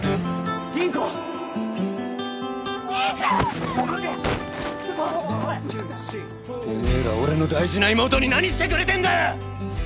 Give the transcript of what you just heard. てめえら俺の大事な妹に何してくれてんだよ！？